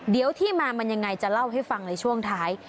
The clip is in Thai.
เดี๋ยวที่มามันยังไงจะเล่าให้ฟังในช่วงท้าย